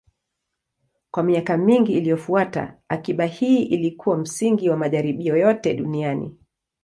Kwa miaka mingi iliyofuata, akiba hii ilikuwa msingi wa majaribio yote duniani.